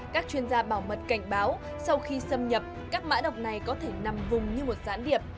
các chuyên gia bảo mật cảnh báo sau khi xâm nhập các mã độc này có thể nằm vùng như một giãn điệp